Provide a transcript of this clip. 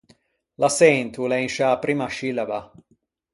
L’açento o l’é in sciâ primma scillaba.